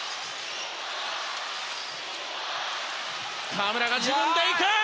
河村が自分で行く！